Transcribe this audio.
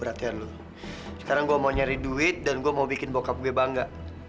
aku yakin udah bikin bokap lu bangga